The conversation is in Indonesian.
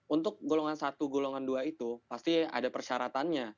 untuk golongan satu golongan dua itu pasti ada persyaratannya